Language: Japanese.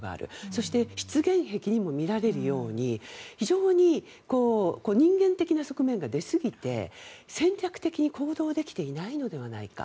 そして、失言癖にも見られるように非常に人間的な側面が出すぎて戦略的に行動できていないのではないか。